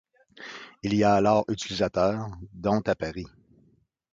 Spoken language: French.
Il y a alors utilisateurs, dont à Paris.